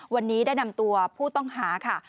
วันนี้ได้นำตัวผู้ต้องหาค่ะ